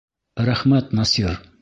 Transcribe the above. Рәхмәт, Насир.